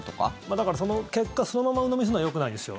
だから結果をそのままうのみにするのはよくないですよ。